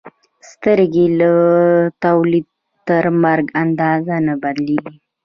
سترګې له تولد تر مرګ اندازه نه بدلېږي.